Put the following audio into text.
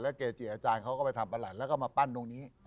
เกจิอาจารย์เขาก็ไปทำประหลัดแล้วก็มาปั้นตรงนี้